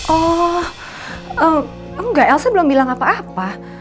oh enggak elsa belum bilang apa apa